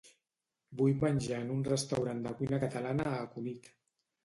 Vull menjar en un restaurant de cuina catalana a Cunit.